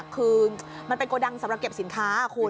คือมันเป็นโกดังสำหรับเก็บสินค้าคุณ